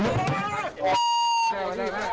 ดูกม